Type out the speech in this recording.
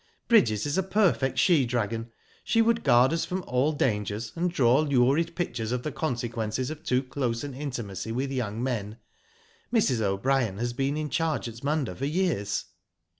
" Bridget is a perfect she dragon. She would guard us from all dangers, and draw lurid pictures of the consequences of too close an intimacy with young men. Mrs. O'Brien has been in charge at Munda for years.